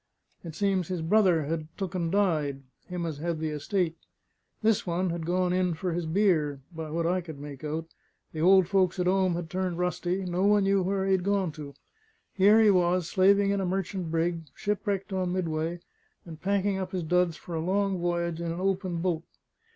It seems his brother had took and died, him as had the estate. This one had gone in for his beer, by what I could make out; the old folks at 'ome had turned rusty; no one knew where he had gone to. Here he was, slaving in a merchant brig, shipwrecked on Midway, and packing up his duds for a long voyage in a open boat.